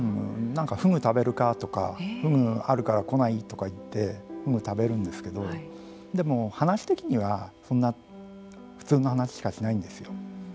なんか、ふぐ食べるかとかふぐあるから来ない？とか言ってふぐを食べるんですけどでも、話的にはそんな普通の話しかしないんですよ。